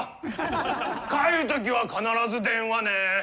帰るときは必ず電話ね！